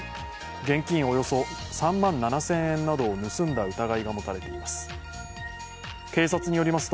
現金およそ３万７０００円などを盗んだ疑いが持たれています。